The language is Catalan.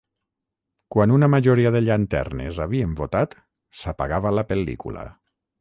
Quan una majoria de llanternes havien votat, s'apagava la pel·lícula.